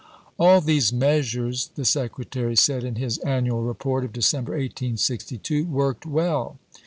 "All these measures," the Secretary said in his annual report of December, 1862, "worked well."